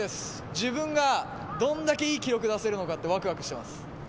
自分がどんだけいい記録出せるのかってわくわくしてます。